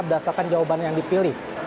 berdasarkan jawaban yang dipilih